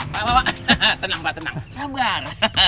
pak pak pak tenang pak tenang sabar